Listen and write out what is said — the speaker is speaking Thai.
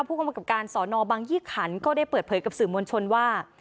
ผู้กำกับการสอนอบังยี่ขันก็ได้เปิดเผยกับสื่อมวลชนว่า